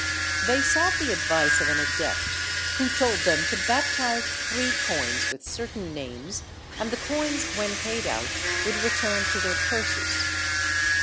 They sought the advice of an adept, who told them to baptize three coins with certain names and the coins w^hen paid out would return to their purses.